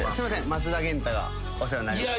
松田元太がお世話になりまして。